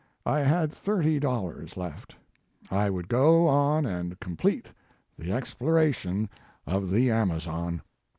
I had thirty dollars left. I would go on and complete the exploration of the Amazon.